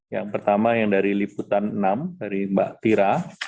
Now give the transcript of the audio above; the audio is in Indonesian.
yang pertama yang dari liputan enam dari mbak tira